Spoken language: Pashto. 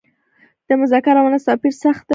د مذکر او مونث توپیر سخت دی.